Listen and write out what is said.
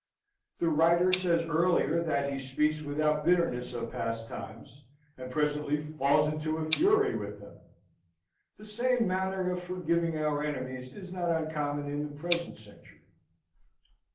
The writer says earlier, that he speaks without bitterness of past times, and presently falls into a fury with them. The same manner of forgiving our enemies is not uncommon in the present century.